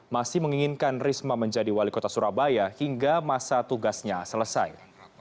masih menginginkan risma menjadi wali kota surabaya hingga masa tugasnya selesai